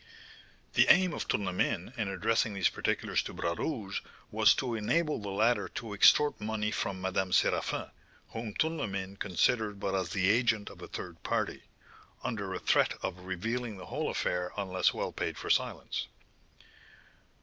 "The aim of Tournemine, in addressing these particulars to Bras Rouge, was to enable the latter to extort money from Madame Séraphin, whom Tournemine considered but as the agent of a third party, under a threat of revealing the whole affair unless well paid for silence.